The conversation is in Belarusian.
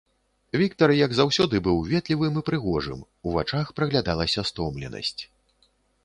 Віктар, як заўсёды, быў ветлівым і прыгожым, у вачах праглядалася стомленасць.